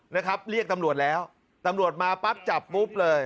นะครับเรียกตำรวจแล้วตำรวจมาปั๊บจับปุ๊บเลย